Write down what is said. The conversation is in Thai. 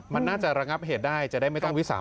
มันน่าจะระงับเหตุได้จะได้ไม่ต้องวิสาน